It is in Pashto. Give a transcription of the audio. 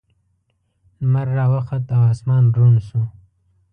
لمر راوخوت او اسمان روڼ شو.